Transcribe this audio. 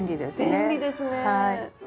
便利ですね。